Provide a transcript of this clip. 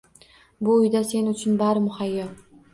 Bu uyda sen uchun bari muhayyo